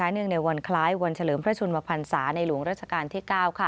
เนื่องในวันคล้ายวันเฉลิมพระชุนมภัณฑาในหลวงรัชกาลที่๙